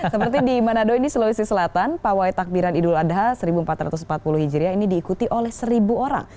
seperti di manado ini sulawesi selatan pawai takbiran idul adha seribu empat ratus empat puluh hijriah ini diikuti oleh seribu orang